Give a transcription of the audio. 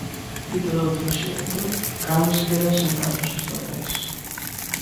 Dito doutro xeito, Cans queda sen cartos estatais.